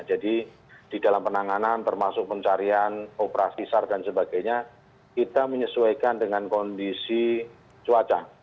di dalam penanganan termasuk pencarian operasi sar dan sebagainya kita menyesuaikan dengan kondisi cuaca